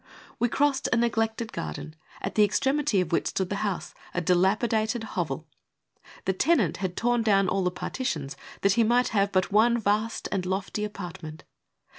We crossed a neglected garden, at the extremity of which stood the house, a dilapidated hovel. The tenant had torn down all the partitions that he might have but one vast and lofty apartment.